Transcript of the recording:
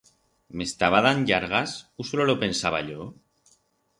M'estaba dand llargas u solo lo pensaba yo?